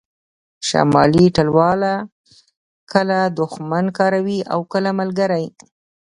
شمالي ټلواله کله دوښمن کاروي او کله ملګری